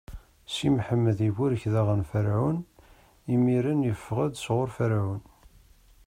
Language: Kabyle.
Si Mḥemmed iburek daɣen Ferɛun, imiren iffeɣ-d sɣur Ferɛun.